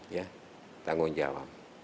ya tanggung jawab